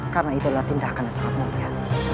karena itu adalah tindakan yang sangat mulia